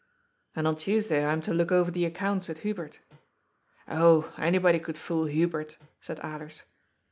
" And on Tuesday I am to look over the accounts with Hubert." " Oh, anybody could fool Hubert," said Alers.